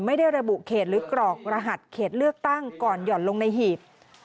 ไม่ได้ระบุเขตหรือกรอกรหัสเขตเลือกตั้งก่อนหย่อนลงในหีบ